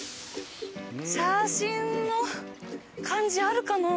写真の感じあるかな？